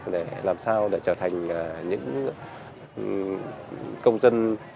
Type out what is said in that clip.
để làm sao để trở thành những công dân